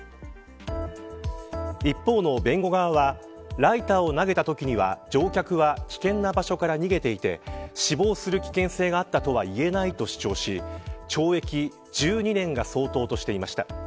一方の弁護側はライターを投げたときには乗客は、危険な場所から逃げていて死亡する危険性があったとはいえないと主張し懲役１２年が相当としていました。